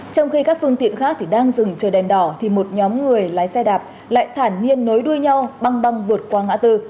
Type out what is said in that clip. trong khi các phương tiện khác đang dừng chờ đèn đỏ thì một nhóm người lái xe đạp lại thản nhiên nối đuôi nhau băng băng vượt qua ngã tư